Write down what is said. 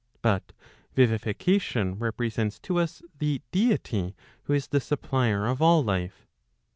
But vivification represents to us the deity who is the supplier of all life.